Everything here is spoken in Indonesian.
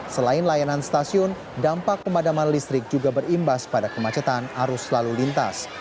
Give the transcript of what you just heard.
selain layanan stasiun dampak pemadaman listrik juga berimbas pada kemacetan arus lalu lintas